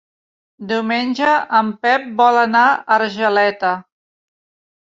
Diumenge en Pep vol anar a Argeleta.